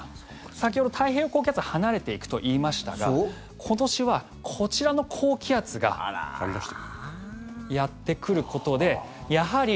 先ほど太平洋高気圧離れていくと言いましたが今年はこちらの高気圧がやってくることで、やはり。